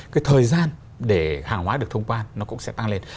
cái thời gian để hàng hóa được thông quan nó cũng sẽ tăng lên